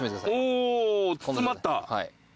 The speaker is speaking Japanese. おぉ包まった。